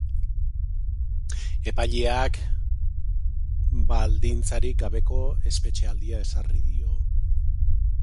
Epaileak baldintzarik gabeko espetxealdia ezarri dio.